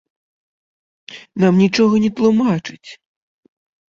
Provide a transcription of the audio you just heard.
Нам нічога не тлумачаць.